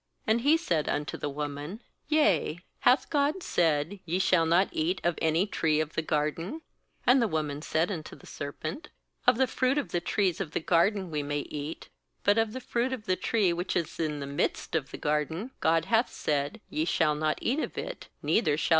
And he said unto the woman: 'Yea, hath God said: Ye shall hot eat of any tree of the garden?' 2And the wolnan said unto the serpent: 'Of the fruit of the trees of the garden we may eat; 8but of the fruit of the tree which is in the midst of the garden, God hath said: Ye shall not eat of it, neither shall * Heb.